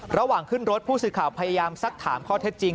ระหว่างขึ้นรถผู้สื่อข่าวพยายามสักถามข้อเท็จจริง